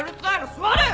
座れよ！